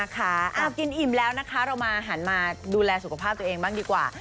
กินอิ่มแล้วนะคะเรามาหันมาดูแลสุขภาพตัวเองบ้างดีกว่า